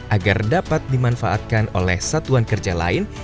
agar dapat dimanfaatkan oleh satuan kerja lain